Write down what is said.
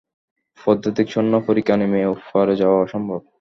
পদাতিক সৈন্য পরিখা নেমে ওপারে যাওয়া অসম্ভব।